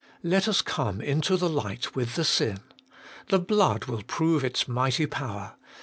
Let us come into the light with the sin : the blood will prove its mighty power.